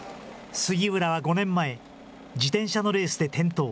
杉浦は５年前、自転車のレースで転倒。